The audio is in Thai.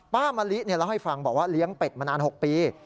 มะลิเล่าให้ฟังบอกว่าเลี้ยงเป็ดมานาน๖ปี